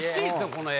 この絵。